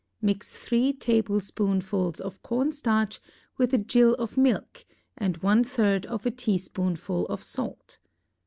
Mix three tablespoonfuls of cornstarch with a gill of milk and one third of a teaspoonful of salt.